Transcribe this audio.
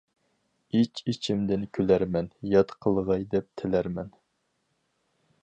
ئىچ-ئىچىمدىن كۈلەرمەن، يات قىلغاي دەپ تىلەرمەن.